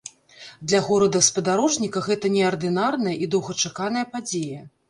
Для горада-спадарожніка гэта неардынарная і доўгачаканая падзея.